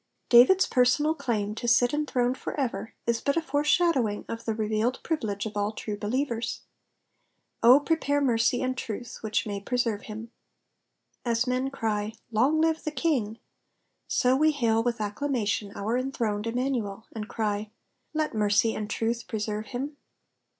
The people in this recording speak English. David^s personal claim to sit enthroned for ever is but a foreshadowiLg of the revealed privilege of all true believers. 0 prepare mercy and truths which inay preserve him.''' As men cry, Long live the king,'' so we hail with ac clamation our enthroned Imraanuel, and cry, *' Let mercy and truth preserve him."